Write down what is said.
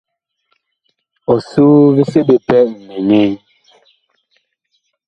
Ɔsoo vi seɓe pɛ nɛŋɛɛ.